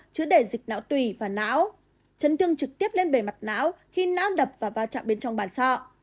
chứa đẻ dịch não tùy và não chấn thương trực tiếp lên bề mặt não khi não đập và va chạm bên trong bàn so